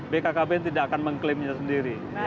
bkkbn tidak akan mengklaimnya sendiri